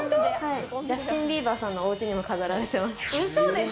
ジャスティン・ビーバーさんのお家にも飾られています。